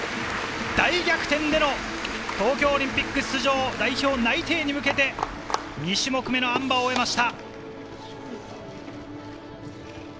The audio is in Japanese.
大逆転での東京オリンピック出場代表内定に向けて、２種目目のあん馬を終えました。